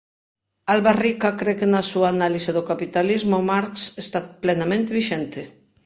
Alba Rica cre que na súa análise do capitalismo Marx está plenamente vixente.